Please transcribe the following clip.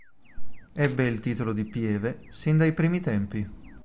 Ebbe il titolo di pieve sin dai primi tempi.